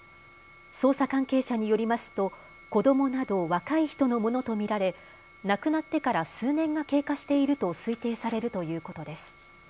捜査関係者によりますと子どもなど若い人のものと見られ亡くなってから数年が経過していると推定されるということです。